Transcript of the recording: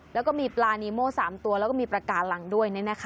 แล้วก็มีปลานีโม๓ตัวแล้วก็มีประกาศหลังด้วยนี่นะคะ